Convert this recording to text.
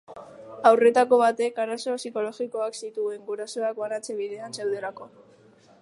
Haurretako batek arazo sikologikoak zituen, gurasoak banatze bidean zeudelako.